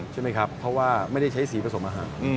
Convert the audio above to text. ใช่ไหมครับเพราะว่าไม่ได้ใช้สีผสมอาหาร